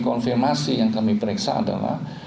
konfirmasi yang kami periksa adalah